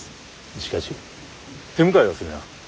しかし手向かいはするな。